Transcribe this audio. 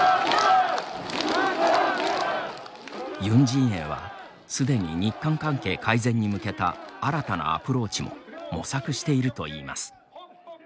ユン陣営はすでに日韓関係改善に向けた新たなアプローチも模索しているといいます。